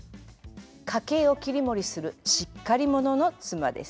家計をきりもりするしっかり者の妻です。